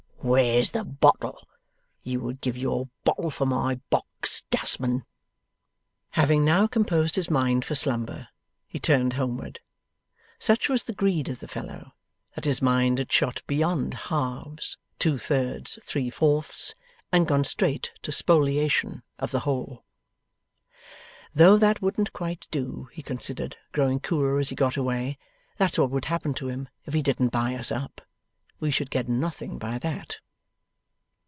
Where's the bottle? You would give your bottle for my box, Dustman!' Having now composed his mind for slumber, he turned homeward. Such was the greed of the fellow, that his mind had shot beyond halves, two thirds, three fourths, and gone straight to spoliation of the whole. 'Though that wouldn't quite do,' he considered, growing cooler as he got away. 'That's what would happen to him if he didn't buy us up. We should get nothing by that.